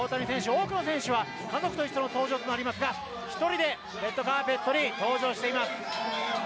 多くの選手は家族と一緒の登場となりますが１人でレッドカーペットに登場しています。